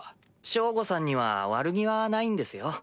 ショウゴさんには悪気はないんですよ。